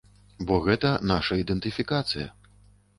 Бо гэта наша ідэнтыфікацыя.